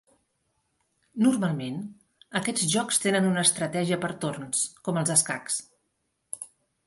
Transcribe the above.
Normalment, aquests jocs tenen una estratègia per torns, com els escacs.